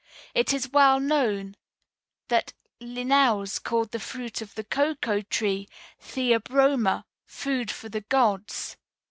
It is well known that Linnæus called the fruit of the cocoa tree theobroma, 'food for the gods.'